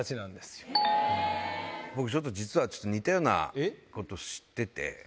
ピンポン僕ちょっと実は似たようなこと知ってて。